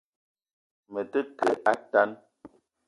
Me te ke a tan